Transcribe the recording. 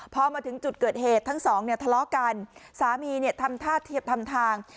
พอมาถึงจุดเกิดเหตุทั้งสองเนี่ยทะเลาะกันสามีเนี่ยทำท่าเทียบทำทาง